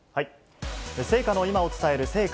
聖火の今を伝える聖火